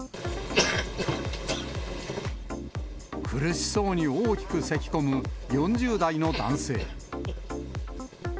苦しそうに大きくせきこむ４０代の男性。